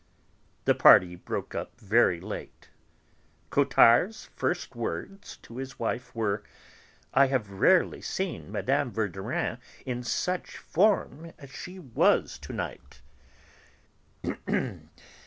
The party broke up very late. Cottard's first words to his wife were: "I have rarely seen Mme. Verdurin in such form as she was to night."